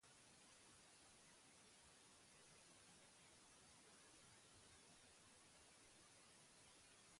Taldeak egoera aurrera ateratzeko baliabideak dituela sinetsita da erdilariak.